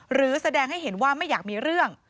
หรือแสดงให้เห็นว่าไม่อยากมีเรื่อง